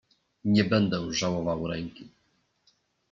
"Nie będę żałował ręki."